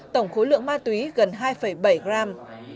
tổng khối lượng ma túy gần hai bảy gram